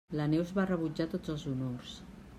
La Neus va rebutjar tots els honors.